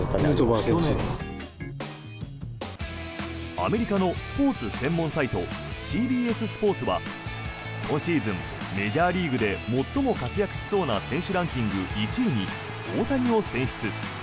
アメリカのスポーツ専門サイトＣＢＳスポーツは今シーズン、メジャーリーグで最も活躍しそうな選手ランキング１位に大谷を選出。